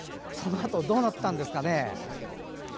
そのあとどうなったんですかね？